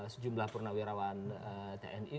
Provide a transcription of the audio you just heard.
sejumlah purnawirawan tni